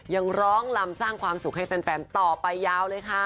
ยังร้องลำสร้างความสุขให้แฟนต่อไปยาวเลยค่ะ